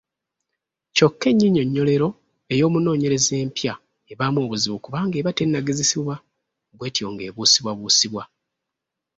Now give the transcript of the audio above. Kyokka ennyinyonnyolero ey’omunoonyereza empya ebaamu obuzibu kubanga eba tennagezesebwa bw’etyo ng’ebuusibwabuusibwa.